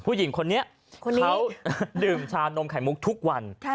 ผู้หญิงคนนี้เขาดื่มชานมไข่มุกทุกวัน